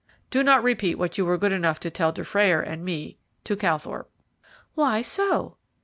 "Do not repeat what you were good enough to tell Dufrayer and me to Calthorpe." "Why so?"